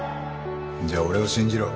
じゃあ俺を信じろ。